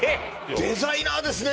デザイナーですね